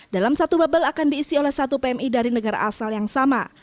dalam satu bubble akan diisi oleh satu pmi dari negara asal yang sama